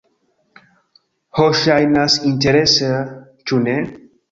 Ho, ŝajnas interesa ĉu ne?